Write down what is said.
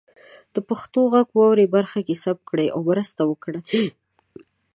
د پښتو غږ واورئ برخه کې ثبت کړئ او مرسته وکړئ.